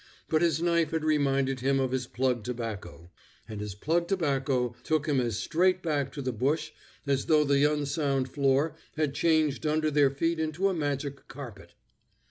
But his knife had reminded him of his plug tobacco. And his plug tobacco took him as straight back to the bush as though the unsound floor had changed under their feet into a magic carpet.